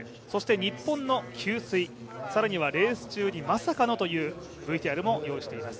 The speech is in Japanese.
日本の給水、レース中にまさかのというＶＴＲも用意しています。